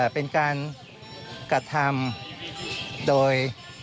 เป็นการกระทำโดย